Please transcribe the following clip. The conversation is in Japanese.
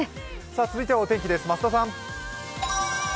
続いてはお天気です、増田さん。